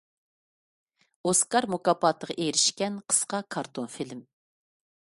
ئوسكار مۇكاپاتىغا ئېرىشكەن قىسقا كارتون فىلىم.